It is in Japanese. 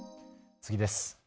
次です。